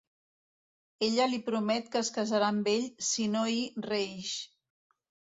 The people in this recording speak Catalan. Ella li promet que es casarà amb ell si no hi reïx.